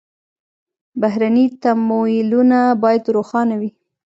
بهرني تمویلونه باید روښانه وي.